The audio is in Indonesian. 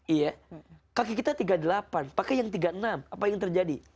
iya kaki kita tiga puluh delapan pakai yang tiga puluh enam apa yang terjadi